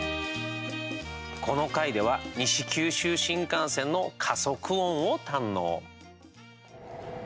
この回では、西九州新幹線の「加速音」を堪能。